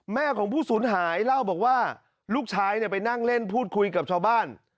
แม่ของผู้สูญหายเล่าบอกว่าลูกชายไปนั่งเล่นพูดคุยกับชาวบ้าน